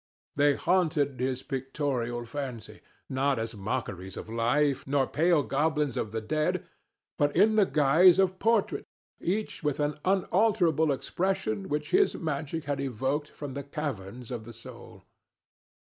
They haunted his pictorial fancy, not as mockeries of life nor pale goblins of the dead, but in the guise of portraits, each with an unalterable expression which his magic had evoked from the caverns of the soul.